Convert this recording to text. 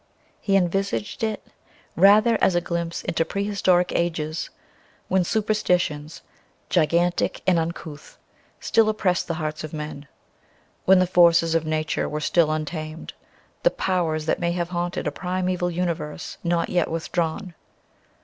He envisaged it rather as a glimpse into prehistoric ages, when superstitions, gigantic and uncouth, still oppressed the hearts of men; when the forces of nature were still untamed, the Powers that may have haunted a primeval universe not yet withdrawn.